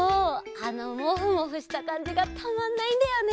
あのモフモフしたかんじがたまんないんだよね！